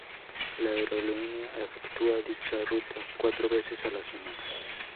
La aerolínea efectúa dicha ruta cuatro veces a la semana.